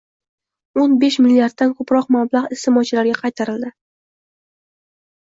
O‘n besh milliarddan ko‘proq mablag‘ iste’molchilarga qaytarilding